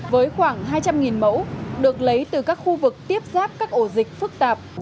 với khoảng hai trăm linh mẫu được lấy từ các khu vực tiếp giáp các ổ dịch phức tạp